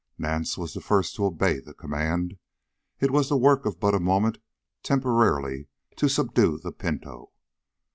Nance was the first to obey the command. It was the work of but a moment temporarily to subdue the pinto.